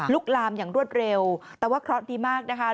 ลามอย่างรวดเร็วแต่ว่าเคราะห์ดีมากนะคะ